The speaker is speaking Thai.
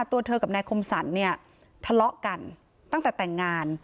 ตัวเธอกับนายคมสรรเนี่ยทะเลาะกันตั้งแต่แต่งงาน